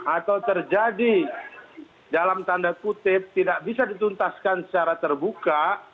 atau terjadi dalam tanda kutip tidak bisa dituntaskan secara terbuka